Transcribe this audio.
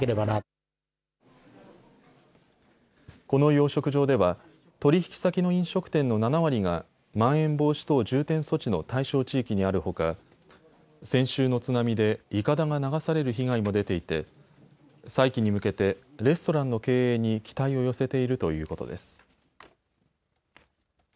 この養殖場では取引先の飲食店の７割がまん延防止等重点措置の対象地域にあるほか先週の津波でいかだが流される被害も出ていて再起に向けてレストランの経営に期待を寄せているということです。